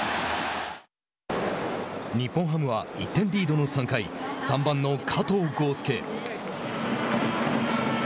日本ハムは１点リードの３回３番の加藤豪将。